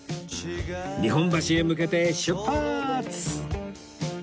日本橋へ向けて出発！